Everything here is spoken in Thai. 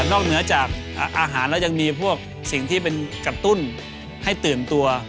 เหนือจากอาหารแล้วยังมีพวกสิ่งที่เป็นกระตุ้นให้ตื่นตัว